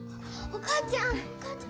お母ちゃん！